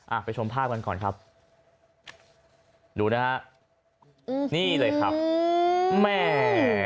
อ่ะไปชมภาพกันก่อนครับดูนะฮะอื้อฮือนี่เลยครับแหม่